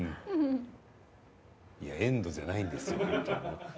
いや「ＥＮＤ」じゃないんですよ。